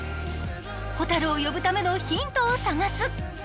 ホタルを呼ぶためのヒントを探す。